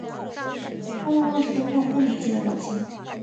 默默望着公公不理解的表情